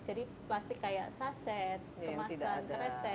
plastik kayak saset kemasan kresek